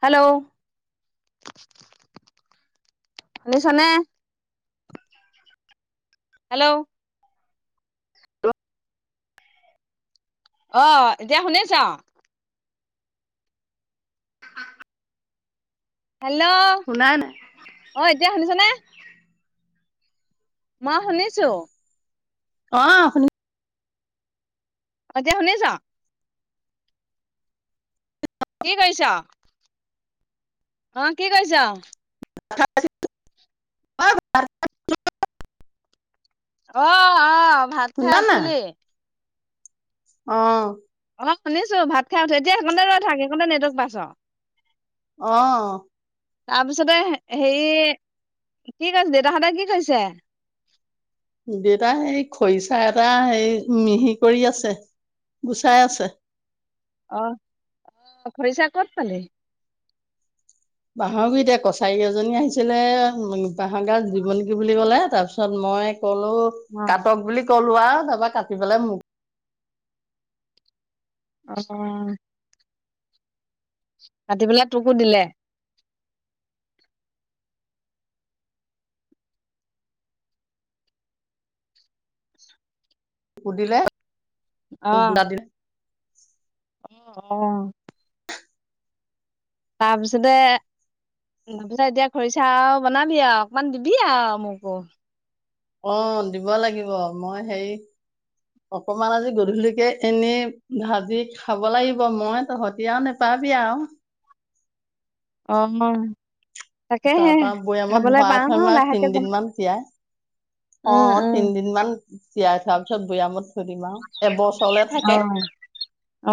Hello ভলিছ নে hello hello আহ এতিয়া শুনিছা হেল্ল' শুনাই নাই? অ এতিয়া শুনিছনেে মই শুনিছো অ আপুনি তিয়া শুনিছ কি কৰিৈছা অ কি কৰিছ অ অ ভাত খাই শুনিছা নাই? উছিলি অ অ শুনিছো ভাত খাই উঠে এতিয়া সেইকতে ৰৈ থাক সেইকতে নেটক পাছ অ তাৰপিছতে হেৰি কি কৈছে দেউতাহঁতে কি কৈছে দেউতা এইেই খৰিচা এটা হ মিহি কৰি আছে গুচাই আছে অ আহ খৰিচা ক'ত পালি বাহৰ বি এতিয়া কছাৰী এজনী আহিছিলে উ বাহৰ গাৰ জীৱ নেকি বুলি কলে তাৰপিছত মই কলো অ' কাটক বুলি কলো আৰু তাৰপা কাটি পেলাই মোক অ কতি পেলাই তোকো দিলে সুধিলে আহ [inaudible] অহ ', তাৰপিছতে তাৰপিছত এতিয়া খৰিচা বনাবি আৰু অকমান দিবি আৰু মোকো। অ', দিব লাগিব মই হেৰি অকমান আজি গধূলিকে এনে ভাজি খাব লাগিব মই তহতিয়াও নেপা বিয়া অ, তাকেহে তাৰপৰা বৈয়ামত খাবলৈ ভৰাই পাও ন থম আৰু লাহেকে তিনদিন যাম। মান তিয়াই। অ, উম, উম, তিনিদিন মান তিয়াই থোৱাৰ পিছত বয়ামত থৈ দিম আৰু এবছৰলে অ', থাকে।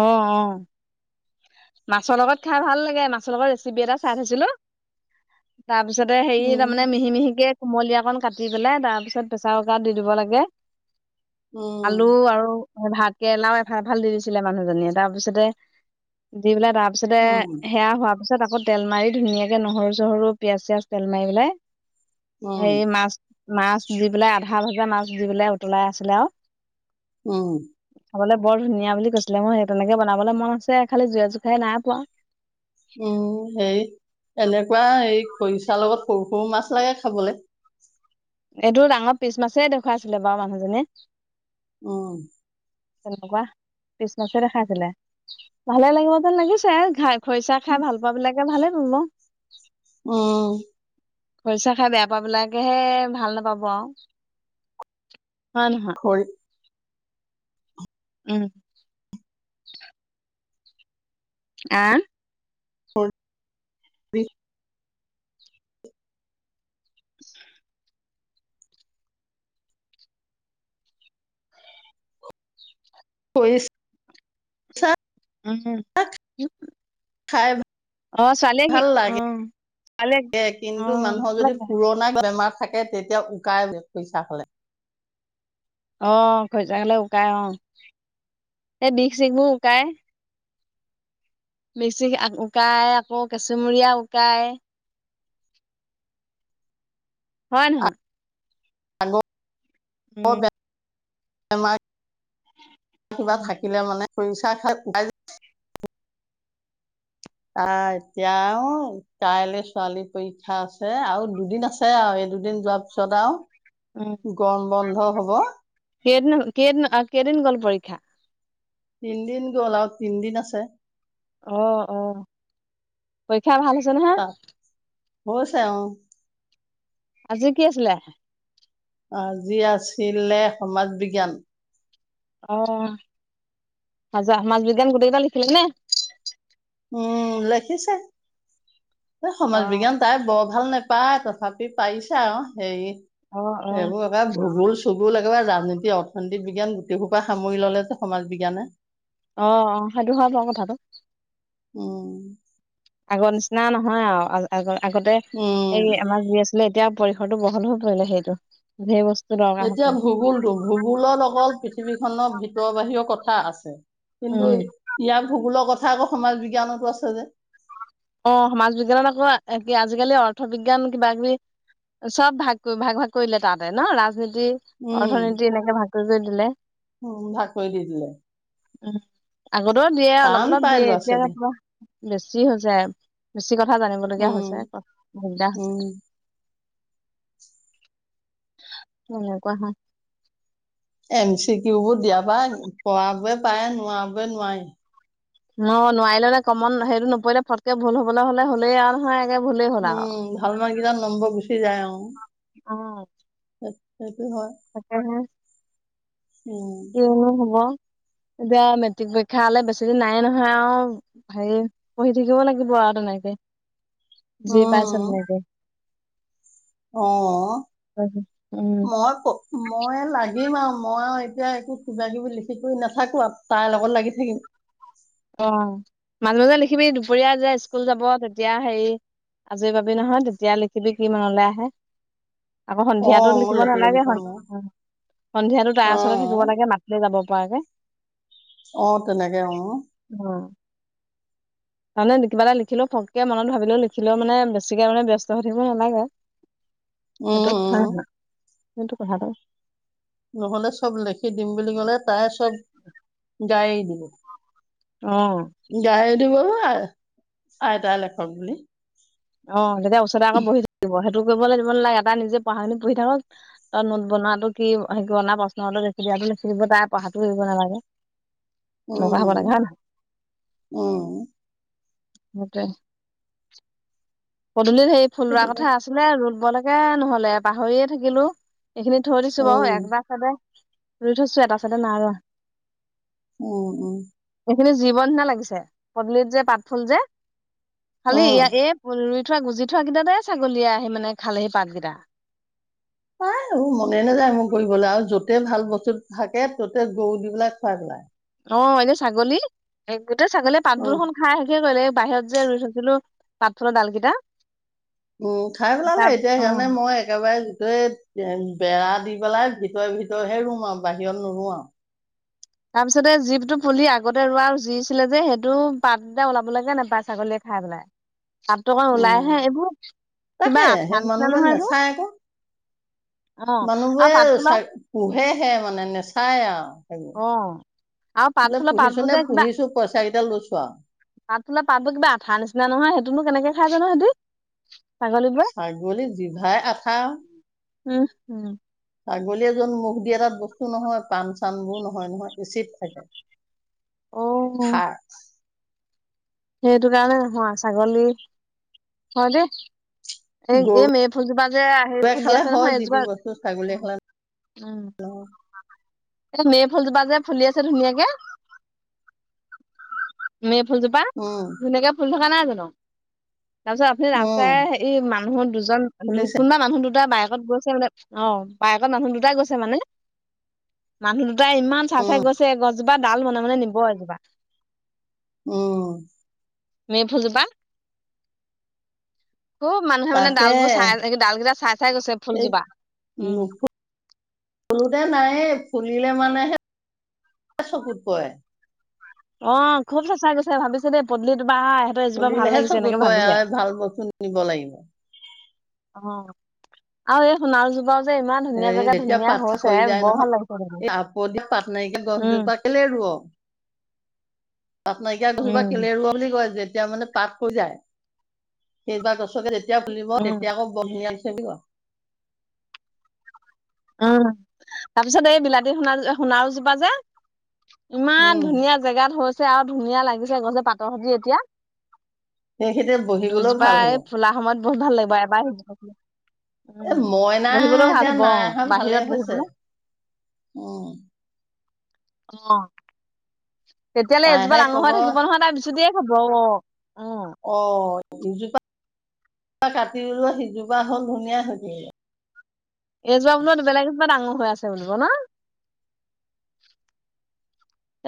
অ', অ', মাছৰ লগত খাই ভাল লাগে মাছৰ লগত ৰেচিপি এটা চাই থৈছিলো। তাৰপিছতে হেৰি উম তাৰমানে মিহি মিহিকে কুমলীয়া অকণ কাটি পেলাই তাৰ পিছত প্ৰেচাৰ কুকাৰত দি দিব লাগে। উম আলু আৰু ভাত কেৰেলাও এফাল- এফাল দি দিছিলে মানুহজনীয়ে, তাৰপিছতে দি পেলাই টা তাৰপিছতে উম সেয়া হোৱা তাৰপিছত আকৌ তেল মাৰি ধুনীয়াকে নহৰু চহৰু পিয়াজ চিয়াজ তেল মাৰি পেলাই উম হেৰি মাছ- মাছ দি পেলাই আধা ভাজা মাছ দি পেলাই উতলাই আছিলে আৰু। উম খাবলে বৰ ধুনীয়া বুলি কৈছিলে মই সেই তেনেকে বনাবলৈ মন আছে খালি জুই জোখাই নাই পোৱা। উম, হেৰি এনে কৰা এই খৰিচাৰ লগত সৰু - সৰু মাছ লাগে খাবলৈ। এইটো ডাঙৰ পিচ মাছেই দেখুৱাইছিলে বাৰু মানুহজনীয়ে। উম। তেনেকুৱা পিছনাাছে দেখাইছিলে ভালে লাগিব যেন লাগিছে ঘ খৰিচা খাই ভাল পোৱা বিলাকে ভালে পাব ন। উম্। খৰিচা খাই বেয়া পোৱা বিলাকেহে ভাল নাপাব আৰু। হয় নহা খৰি উম। আ। হয়। খইছ উম। খাই অ ছোৱালীয়ে কি ভাল অ লাগে, ছোৱালীয়ে অ কিন্তু ভাল মানুহৰ যদি লাগে পুৰণা বেমাৰ থাকে তেতিয়া উকাই খইচা হ'লে। অ, খৰিচা হলে উকায় অ সেই বিষ চিষ বোৰ উকাই। বেচি উকায় আকৌ কেঁচুমৰীয়া উকায়। হয় নহয়। হল। উম। আমাৰ কিবা থাকিলে মানে খৰিচা খা [unintelligible] অ' এতিয়াও কাইলে ছোৱালী পৰীক্ষা আছে আৰু দুদিন আছে আৰু দুদিন যোৱাৰ পিছত উম আৰু গৰম বন্ধ হ'ব। কেইদিন- কেইদিন-কেইদিন গ'ল পৰীক্ষা। তিনদিন গ'ল আৰু তিনদিন আছে। অ - অ পৰীক্ষা ভাল হৈছে নহা। তাত হৈছে অ'। আজি কি আছিলে। আজি আছিলে সমাজ বিজ্ঞান অ' আজি সমাজ বিজ্ঞান গোটেই কেইটা লিখিলে নে। উম, লেখিছে এই সমাজ অ', বিজ্ঞান তাই বৰ ভাল নেপায় তথাপি পাৰিছে আৰু হেৰি অ', অ'। এইবোৰ একে ভূগোল চুগোল একেবাৰে ৰাজনীতি অৰ্থনীতিক বিজ্ঞান গোটেইসোপা সামৰি ল'লে যে সমাজ বিজ্ঞানে। অ'- অ', সেইটো হয় বাৰু কথাটো। উম। আগৰ নিচিনা নহয় আৰু আগ আগতে উম এই আমাৰ যি আছিলে এতিয়া পৰিসৰটো বহল হৈ পৰিলে সেইটো সেই বস্তু দৰকাৰ হৈ এতিয়া পৰিলে। ভূগোলটো ভূগোলৰ লগত পৃথিৱীখনৰ ভিতৰ বাহিৰৰ কথা আছে কিন্তু উম, ইয়াৰ ভূগোলৰ কথা আকৌ সমাজ বিজ্ঞানতো আছে যে। অ', সমাজ বিজ্ঞানত আকৌ আজিকালি অৰ্থ বিজ্ঞান কিবা কিবি চব ভাগ কৰি ভাগ-ভাগ কৰিলে তাহতে ন ৰাজনীতি [unintelligible] উম। অৰ্থনীতি এনেকে ভাগ কৰি- কৰি দিলে। উম ভাগ কৰি দি দিলে উম, আগতেও দিয়ে অলপ- টান অলপ পাই দিয়ে ল'ৰা এতিয়া ছোৱালী বেছি হৈ যায়। বেছি কথা জানিবলগীয়া হৈছে উম। উম [unintelligible] তেনেকুৱা [unintelligible] এম চি কিউ বোৰ দিয়া পা পঢ়াবই পায় নোৱাবই নোৱি অ' নোৱাৰিলে কমন হেৰিটো নপৰিলে ফটকে ভুল হ'বলৈ হ'লে হ'লেই আৰু নহয়। একে ভুলেই হ'ল আৰু উম, ভাল [unintelligible] কেইটাত নম্বৰ গুচি যায় অ'। অ হয় তাকেহে। উম। কিয়নো হ'ব এতিয়া মেট্ৰিক পৰীক্ষালে বেছিদিন নায়ে নহয় আৰু হেৰি পঢ়ি থাকিব লাগিব আৰু তেনেকে। যি পাইচে উম তেনেকে। অ', উম মই ক মই লাগিম আৰু। মই আৰু এতিয়া একো কিবা কিবি লিখি কৰি নাথাকো আৰু তাৰ লগত লাগি থাকিম। অ' মাজে- মাজে দেখিবি দুপৰীয়া যে স্কুল যাব তেতিয়া হেৰি আজি পাবি নহয়, তেতিয়া লিখিবি কি মনলে আহে। আকৌ অ সন্ধিয়াটো লিখিব লেখি লেখি নালাগে থম মই সন্ধিয়াটো তাইৰ অ ওচৰতে থাকিব লাগে মাতিলে যাব নাপায় যে অ', তেনেকে অ'। অ'। মানে কিবা এটা লিখিলে ফককে মনত ভাবিলেও লিখিলেও মানে বেছিকে মানে ব্যস্ত হৈ থাকিব নালাগে। সেইটোত উম- হয় নহয়? উম। [unintelligible] নহ'লে চব লেখি দিম বুলি ক'লে তাই চব গায় দিব। অ'। গায়ে দিব অ' আইতাই লেখক বুলি অ', তেতিয়া ওচৰতে আকৌ বহি থাকিব কৰিবলে দিব নালাগে এটা নিজে পঢ়াটো পঢ়ি থাকক ত নোট বনোৱাাটো কি হেনা প্ৰশ্নতো দেখি [unintelligible] তাই পঢ়াটো এৰিব নালাগে। এনেকুৱা হ'ব লাগে হয় উম- নহয় উম। সেইটোৱে। পদূলিত হেৰি ফুল ৰুৱা সেইটোকে। কথা আছিলে ৰুবলৈকে নহ'লে পাহৰিয়ে থাকিলো। এইখিনি থৈ দিছো বাৰু উম একটা চাইডে ৰুই থৈছো এটা চাইডে নাই ৰুৱা। উম- উম। সেইখিনি জীৱ নিচিনা লাগিছে পদূলিত যে পাতফুল যে খালি উম ইয়াৰ এই ৰুই থোৱা গুজি থোৱাকেইটাতে ছাগলীয়ে আহি মানে খালেহি পাতকেইটা। পাই আৰু মনে নেযায় মোৰ কৰিবলৈ আৰু য'তে ভাল বস্তু থাকে ত'তে গৰু দি পেলাই খুৱাই পেলাই। অ', এনে ছাগলী এ গোটেই ছাগলীয়ে পাত উম [unintelligible] খাই শেসে কৰিলে এ বাহিৰত যে ৰুই থৈছিলো পাতফুলৰ ডাল কেইটা। উম খাই পেলালে এতিয়া সেইকাৰণে মই একেবাৰে বেৰা দি পেলাই ভিতৰে ভিতৰেহে ৰুম আৰু বাহিৰত নুৰো আৰু। তাৰপিছতে যিটো পুলি আগতে ৰোৱা যিছিলে যে সেইটো পাত ওলাব লাগে নেপায় ছাগলীয়ে খাই পেলাই পাততো অকন উম ওলাইহে এইবোৰ তাকে কিবা সেই আঠা আঠা মানুহবোৰে নহয় এইবোৰ নেচায় আকৌ মানুহবোৰে চ পোহেহে মানে নেচায় আৰু সেইবোৰ অ আৰু বোলে পাতফুলৰ পুহিছ পাতবোৰ নে পুহিছো পইচা কেইটা লৈছো আৰু। পাত ফুলা পাতবোৰ কিবা আঠাৰ নিচিনা নহয় সেইটোনো কেনেকে খাই জানো সিহঁতি ছাগলীবোৰে ছাগলী জিভাই আঠা উম উম ছাগলীয়ে য'ত মুখ দিয়ে তাত বস্তু নহয় পাণ চাণবোৰ নহয় নহয় এচিড থাকে। [inaudible] অ সেইটো কাৰণে নহয় ছাগলী হয় দেই এই এই গৰুৱে মে ফুজোপা যে আহি ফুলি খালে আছে হয় নহয় যি টি এজোপা বস্তু ছাগলীয়ে খালে উম এ মে ফুলজোপা যে ফুলি আছে ধুনীয়াকে মে ফুলজোপা উম ধুনীয়াকে ফুলি থকা নাই জানো তাৰপিছত আপুনি ৰাস্তাই উম হেৰি মানুহ দুজন দু ফুলিছে কোনোবা মানুহ দুটা বাই ত গৈছে মানে অ বাইকত মানুহ দুটাই গৈছে মানে মানুহ দু তাই ইমান চাই চাই উম গৈছে গছজোপা ডাল মনে মনে নিব এজোপা উম। মে ফুল জোপা খুব মানুহে মানে তাকে ডালবোৰ চাই ডাল কেইটা চাই চাই গৈছে ফুলজোপা উম ফুলোতে নায়েই ফুলিলে মানেহে চকুত কৰে অ খুব চাই চাই গৈছে ভাবিছে দেই পদূলি ত বা ইহঁতৰ এজোপা ভাল ফুলিলেহে লাগিছে চকুত এনেকে পৰে ভাবিছে আৰু ভাল বস্তু নিব লাগিব অ আৰু এই সোণাৰু জোপা হে যেতিয়া পাত চাচ সৰি যায় বৰ ভাল নহয় লাগিছে দেখি এই আপ দিয়া পাত নাইকিয়া উম গছজোপা কেলে ৰোৱ অ পাট নাইকিয়া গছজোপা কেলে উম ৰুৱ বুলি কয় যেতিয়া মানে পাত হৈ যায়, সেইবাৰ গছকে তেতিয়া যেতিয়া ফুলিব উম তেতিয়া আকৌ বৰ ধুনীয়ান লাগিছে বুলি ক উ তাৰপিছত এই বিলাতী সোণাৰু সোণাৰু জোপা যে ইমান উম ধুনীয়া জেগাত হৈছে আৰু ধুনীয়া লাগিছে গছে পাটৰ সৈতে এতিয়া সেই খেতি বহিবলৈও দুজোপা ভাল হ'ব এই ফুলা সময়ত বহুত ভাল লাগিব এবাৰ সেইজোপা উম বহিবলৈও ভাল হ'ব অ'। ভালে বাহিৰত হৈছে বহিবলৈ উম। অ', তেতিয়ালে এজোপা তাইহে ডাঙৰ কব হৈ থাকিব নহয় তাই বিচূৰ্তিয়ে খাব অ'। অ ইজোপা কাটি ওলোৱা সিজোপা হল ধুনীয়া হৈ থাকে এইজোপা বোল বেলেগ এজোপা ডাঙৰ হৈ আছে বুলিব ন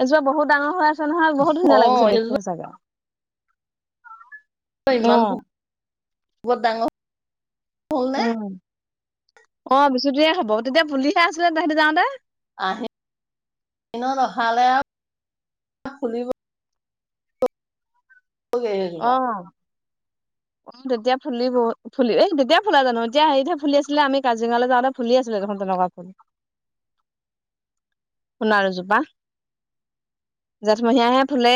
এজোপা বহুত ডাঙৰ হৈ আছে নহয় বহুত অ ধুনীয়া লাগিছে এইজোপা দেখি সচাকে তই ইমান ডাঙৰ হল নে উম, অ বিচূতিয়ে হব তেতিয়া পুলিহে আছিলে তাহেতি যাওঁতে আহিনত অহালে আৰু ফুলিব অ', [inaudible] অ তেতিয়া ফুলি ব ফুলি তেতিয়া ফুলে জানো এতিয়া হেৰিহে ফুলি আছিলে আমি কাজিৰঙালৈ যাওঁতে ফুলি আছিলে [unintelligible] সোণাৰু জোপা জেঠমহীয়াহে ফুলে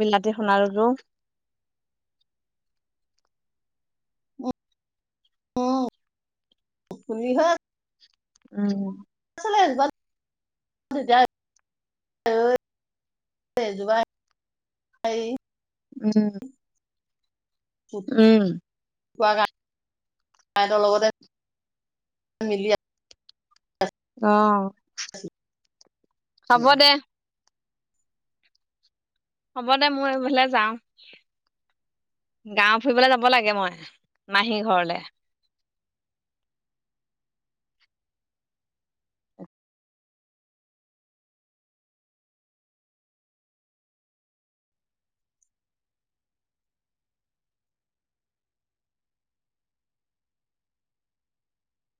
বিলাতী সোণাৰুতো [unintelligible] উম আছিলে এজোপা জুৱ উম, উম আতে ম অ হ'ব আছিলে দে হ'ব দে মই এইফালে যাওঁ গাঁও ফুৰিবলৈ যাব লাগে মই মাহী ঘৰলে